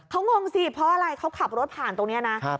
เขางงสิเพราะอะไรเขาขับรถผ่านตรงนี้นะ